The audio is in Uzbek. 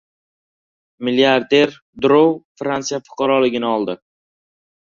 Milliarder Durov Fransiya fuqaroligini oldi